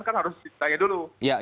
kan harus ditanya dulu